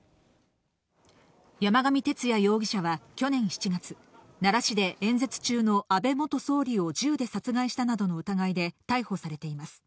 山上徹也容疑者は去年７月、奈良市で演説中の安倍元総理を銃で殺害したなどの疑いで逮捕されています。